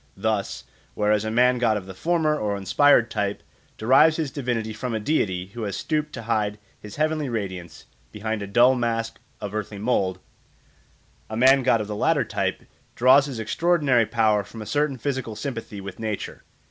Thus, whereas a man god of the former or inspired type derives his divinity from a deity who has stooped to hide his heavenly radiance behind a dull mask of earthly mould, a man god of the latter type draws his extraordinary power from a certain physical sympathy with nature.